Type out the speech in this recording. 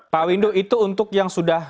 pak windu itu untuk yang sudah